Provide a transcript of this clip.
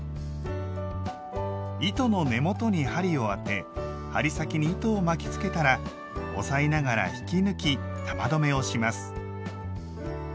糸の根元に針をあて針先に糸を巻きつけたら押さえながら引き抜き玉留めをします。